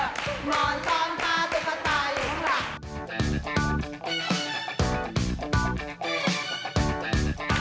อีมอนซ้อนพาตัวตาอยู่ข้างหลัง